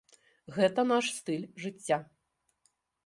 Гэта наш стыль жыцця.